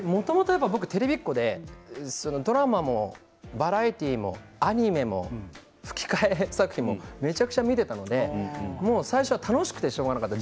僕はテレビっ子でドラマもバラエティーもアニメも吹き替え作品もめちゃくちゃ見ていたので最初は楽しくてしょうがなかった。